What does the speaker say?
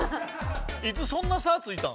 いつそんな差ついたん？